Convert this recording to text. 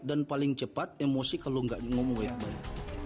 dan paling cepat emosi kalau nggak ngomong baik baik